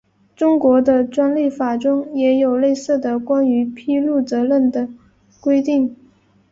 中国的专利法中也有类似的关于披露责任的规定。